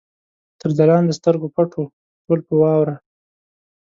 تر ځلانده سترګو پټ وو، ټول په واوره